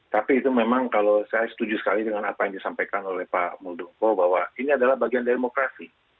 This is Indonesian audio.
tapi itu memang kalau saya setuju sekali dengan apa yang disampaikan oleh pak muldoko bahwa ini adalah bagian demokrasi